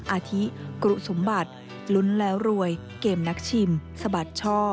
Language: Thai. อาทิกรุสมบัติลุ้นแล้วรวยเกมนักชิมสะบัดช่อ